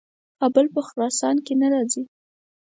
کابل په خراسان کې نه راځي.